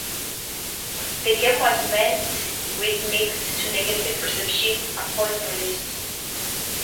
The game was met with mixed to negative reception upon release.